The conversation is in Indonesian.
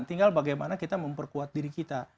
tinggal bagaimana kita memperkuat diri kita